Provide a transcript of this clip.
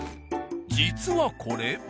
実はこれ。